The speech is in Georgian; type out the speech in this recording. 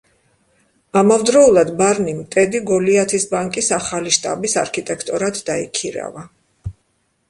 ამავდროულად ბარნიმ ტედი გოლიათის ბანკის ახალი შტაბის არქიტექტორად დაიქირავა.